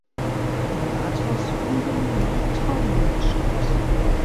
Im Rathaus finden noch Trauungen statt.